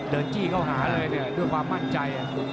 เดินจี้เข้าหาเลยด้วยความมั่นใจ